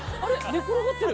寝転がってる。